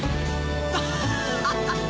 アハハハハ！